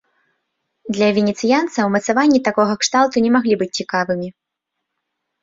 Для венецыянца умацаванні такога кшталту не маглі быць цікавымі.